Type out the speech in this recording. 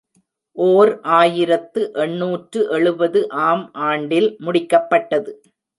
ஓர் ஆயிரத்து எண்ணூற்று எழுபது ஆம் ஆண்டில் முடிக்கப்பட்டது.